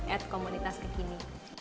at komunitas kekini